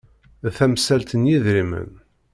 D tamsalt n yidrimen.